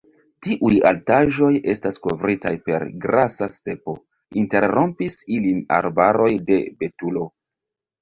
Tiuj altaĵoj estas kovritaj per grasa stepo, interrompis ilin arbaroj de betulo.